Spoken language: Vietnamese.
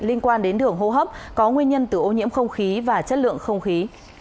liên quan đến đường hô hấp có nguyên nhân từ ô nhiễm không khí và chất lượng không khí